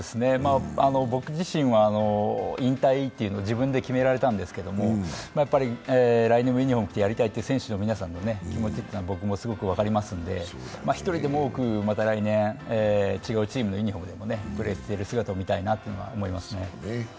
僕自身は引退というのを自分で決められたんですけど、来年もユニフォーム着てやりたいという選手の皆さんの気持ちは僕もすごく分かりますので、１人でも多くまた来年違うチームのユニフォームでも見たいですね。